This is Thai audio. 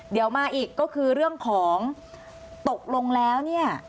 เดี๋ยวมาอีกก็คือเรื่องของตกลงแล้วเนี่ย